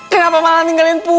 kenapa malah tinggalin tujuanku ya